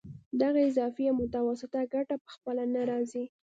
دغه اضافي او متوسطه ګټه په خپله نه راځي